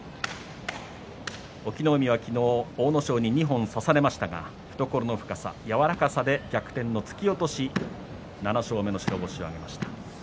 隠岐の海は昨日、阿武咲に二本差されましたが懐の深さ、柔らかさで逆転の突き落とし７勝目の白星を挙げました。